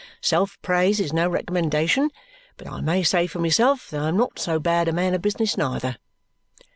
Self praise is no recommendation, but I may say for myself that I am not so bad a man of business neither."